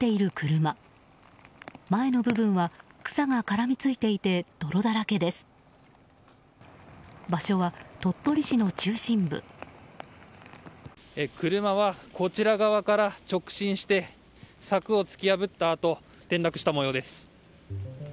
車はこちら側から直進して柵を突き破ったあと転落した模様です。